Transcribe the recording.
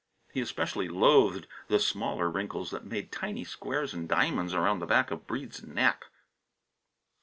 He especially loathed the smaller wrinkles that made tiny squares and diamonds around the back of Breede's neck.